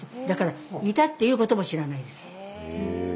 だからいたっていうことも知らないです。